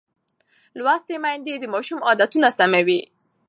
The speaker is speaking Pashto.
لوستې میندې د ماشوم عادتونه سموي.